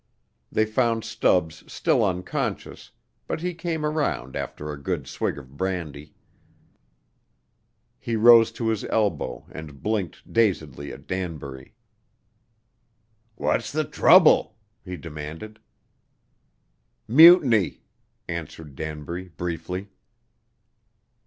They found Stubbs still unconscious, but he came around after a good swig of brandy. He rose to his elbow and blinked dazedly at Danbury. "What's the trouble?" he demanded. "Mutiny," answered Danbury, briefly.